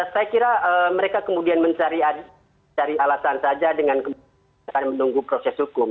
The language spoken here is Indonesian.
saya kira mereka kemudian mencari alasan saja dengan kemudian menunggu proses hukum